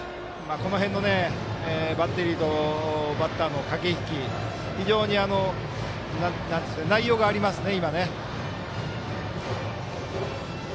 この辺のバッテリーとバッターの駆け引き、非常に内容がありますね。